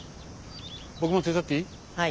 僕も手伝っていい？